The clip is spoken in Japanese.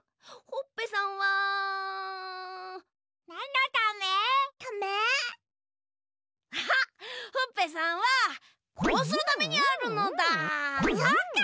ほっぺさんはこうするためにあるのだ！